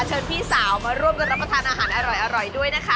พี่สาวมาร่วมกันรับประทานอาหารอร่อยด้วยนะคะ